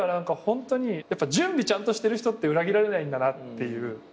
準備ちゃんとしてる人って裏切られないんだなっていう。